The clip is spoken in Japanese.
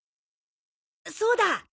そうだ。